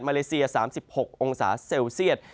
เลเซีย๓๖องศาเซลเซียต